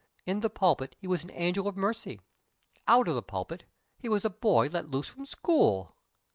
In the pulpit he was an angel of mercy; out of the pulpit he was a boy let loose from school.